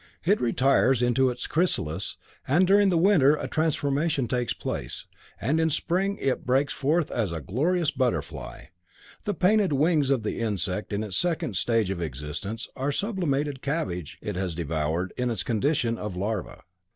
It retires into its chrysalis, and during the winter a transformation takes place, and in spring it breaks forth as a glorious butterfly. The painted wings of the insect in its second stage of existence are the sublimated cabbage it has devoured in its condition of larva."